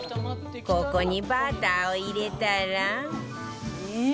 ここにバターを入れたら